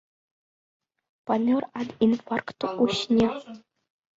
Памёр ад інфаркту ў сне.